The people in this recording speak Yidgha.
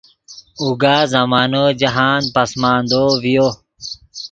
اوگا زمانو جاہند پسماندو ڤیو